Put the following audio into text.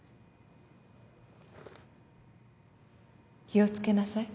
気を付けなさい。